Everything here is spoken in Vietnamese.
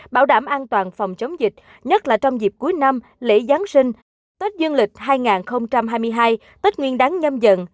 bảo đảm an toàn phòng chống dịch nhất là trong dịp cuối năm lễ giáng sinh dịp tết dương lịch hai nghìn hai mươi hai tết nguyên đáng nhâm dần